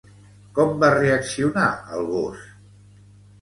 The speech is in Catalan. Com va reaccionar el gos?